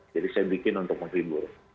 jadi saya bikin untuk menghibur